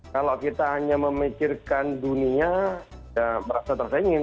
kalau kita hanya memikirkan dunia berasa tersaingin